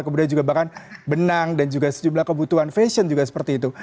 kemudian juga bahkan benang dan juga sejumlah kebutuhan fashion juga seperti itu